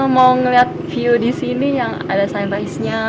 mau ngeliat view di sini yang ada sunrise nya